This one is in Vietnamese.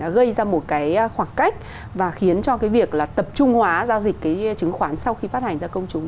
gây ra một cái khoảng cách và khiến cho cái việc là tập trung hóa giao dịch cái chứng khoán sau khi phát hành ra công chúng